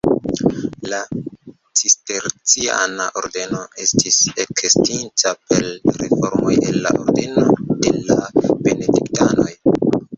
La Cisterciana ordeno estis ekestinta per reformoj el la ordeno de la Benediktanoj.